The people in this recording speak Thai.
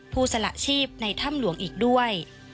สละชีพในถ้ำหลวงอีกด้วย